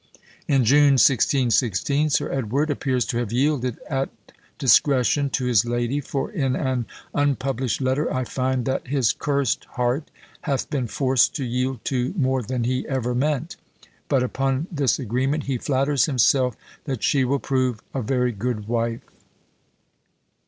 In June, 1616, Sir Edward appears to have yielded at discretion to his lady, for in an unpublished letter I find that "his curst heart hath been forced to yield to more than he ever meant; but upon this agreement he flatters himself that she will prove a very good wife."